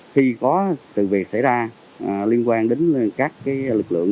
khi có sự việc xảy ra liên quan đến các lực lượng